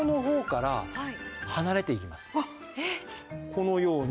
このように。